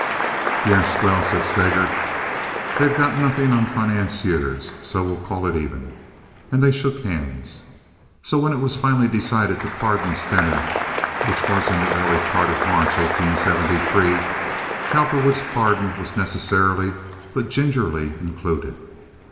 "Yes—well," said Steger, "they've got nothing on financiers, so we'll call it even." And they shook hands. So when it was finally decided to pardon Stener, which was in the early part of March, 1873—Cowperwood's pardon was necessarily but gingerly included.